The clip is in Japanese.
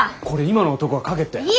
これ今の男が書けって？